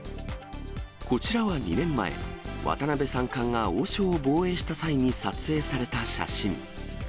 こちらは２年前、渡辺三冠が王将を防衛した際に撮影された写真。